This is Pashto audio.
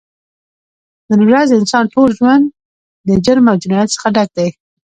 نن ورځ د انسان ټول ژون د جرم او جنایت څخه ډک دی